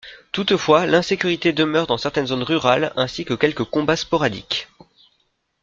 Toutefois, l'insécurité demeure dans certaines zones rurales, ainsi que quelques combats sporadiques.